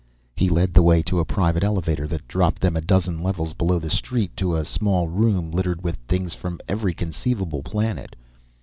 He led the way to a private elevator that dropped them a dozen levels below the street, to a small room, littered with things from every conceivable planet.